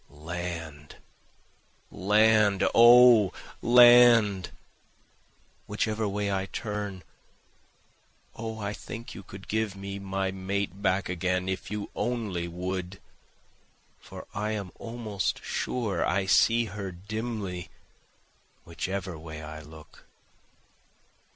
Land! land! O land! Whichever way I turn, O I think you could give me my mate back again if you only would, For I am almost sure I see her dimly whichever way I look.